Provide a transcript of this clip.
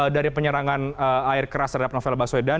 dari penyerangan air keras terhadap novel baswedan